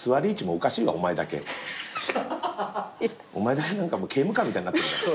お前だけ何かもう刑務官みたいになってる。